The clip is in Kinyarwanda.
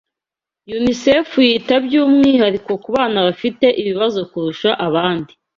UNICEFU yita by’umwihariko ku bana bafite ibibazo kurusha abandi